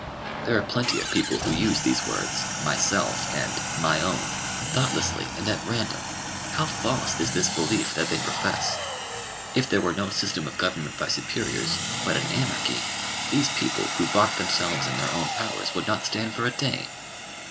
There are plenty of people who use these words, myself and my own, thoughtlessly and at random. How false is this belief that they profess! If there were no system of government by superiors, but an anarchy, these people, who vaunt themselves and their own powers, would not stand for a day.